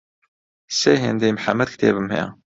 سێ هێندەی محەمەد کتێبم هەیە.